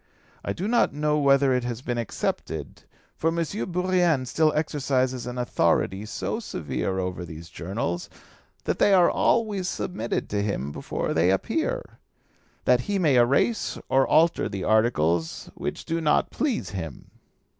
I do not know whether it has been accepted, for M. Bourrienne still exercises an authority so severe over these journals that they are always submitted to him before they appear, that he may erase or alter the articles which do not please him."